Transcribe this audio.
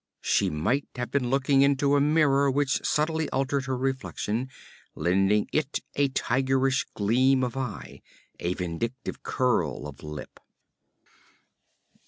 She might have been looking into a mirror which subtly altered her reflection, lending it a tigerish gleam of eye, a vindictive curl of lip.